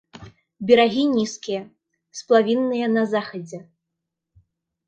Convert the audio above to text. Берагі нізкія, сплавінныя на захадзе.